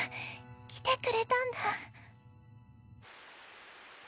来てくれたんだ。